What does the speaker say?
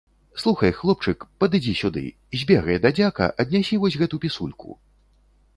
Слухай, хлопчык, падыдзі сюды, збегай да дзяка, аднясі вось гэту пісульку.